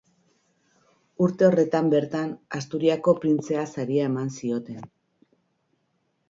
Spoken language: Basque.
Urte horretan bertan, Asturiasko Printzea saria eman zioten.